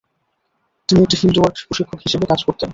তিনি একটি field work প্রশিক্ষক হিসেবে কাজ করতে।